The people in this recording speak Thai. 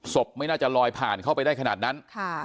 ไม่น่าจะลอยผ่านเข้าไปได้ขนาดนั้น